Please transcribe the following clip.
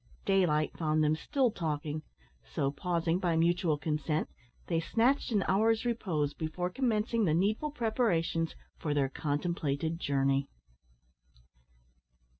Daylight found them still talking; so, pausing by mutual consent, they snatched an hour's repose before commencing the needful preparations for their contemplated journey.